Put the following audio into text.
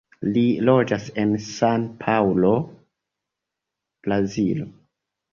Li loĝas en San-Paŭlo, Brazilo.